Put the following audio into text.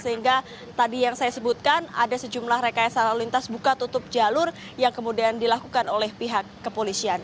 sehingga tadi yang saya sebutkan ada sejumlah rekayasa lalu lintas buka tutup jalur yang kemudian dilakukan oleh pihak kepolisian